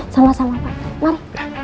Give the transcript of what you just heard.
sama sama pa mari